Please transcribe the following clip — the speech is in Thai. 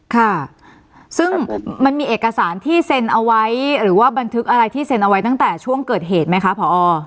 ค่ะซึ่งมันมีเอกสารที่เซ็นเอาไว้หรือว่าบันทึกอะไรที่เซ็นเอาไว้ตั้งแต่ช่วงเกิดเหตุไหมคะผอ